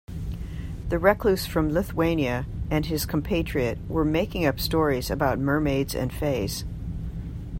The recluse from Lithuania and his compatriot were making up stories about mermaids and fays.